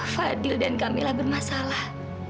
fadhil dan kamilah bermasalah